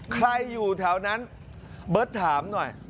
อยู่แถวนั้นเบิร์ตถามหน่อย